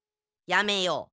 やめよう。